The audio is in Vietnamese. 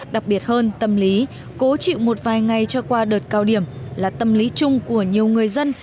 đặc biệt hơn tâm lý cố chịu một vài ngày cho qua đợt cao điểm là tâm lý chung của nhiều người dân